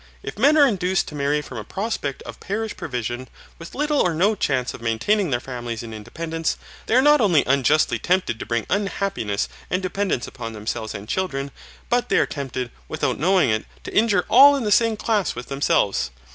If men are induced to marry from a prospect of parish provision, with little or no chance of maintaining their families in independence, they are not only unjustly tempted to bring unhappiness and dependence upon themselves and children, but they are tempted, without knowing it, to injure all in the same class with themselves.